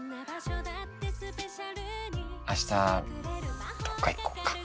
明日どっか行こっか。